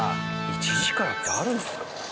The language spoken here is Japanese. １時からってあるんですか？